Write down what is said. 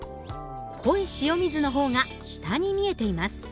濃い塩水の方が下に見えています。